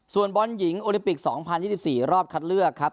ส่วนบอลหญิงโอลิมปิก๒๐๒๔รอบคัดเลือกครับ